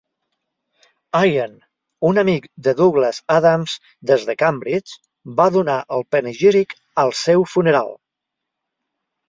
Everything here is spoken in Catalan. Allen, un amic de Douglas Adams des de Cambridge, va donar el panegíric al seu funeral.